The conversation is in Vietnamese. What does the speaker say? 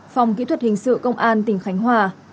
phòng kỹ thuật hình sự công an tỉnh khánh hòa